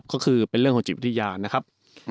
ก็คือเป็นเรื่องของจิตวิทยานะครับ